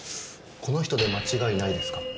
この人で間違いないですか？